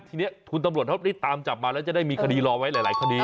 ทีนี้คุณตำรวจเขาได้ตามจับมาแล้วจะได้มีคดีรอไว้หลายคดี